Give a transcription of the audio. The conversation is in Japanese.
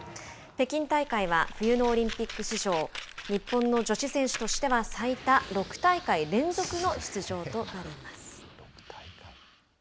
北京大会は冬のオリンピック史上日本の女子選手としては最多６大会連続の出場となります。